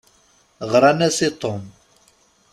Ɣṛan-as i Tom.